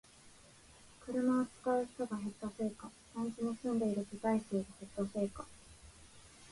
車を使う人が減ったせいか、団地に住んでいる世帯数が減ったせいか